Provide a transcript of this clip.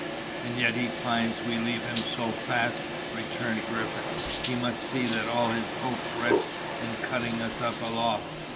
"And yet as he finds we leave him so fast," returned Griffith, "he must see that all his hopes rest in cutting us up aloft.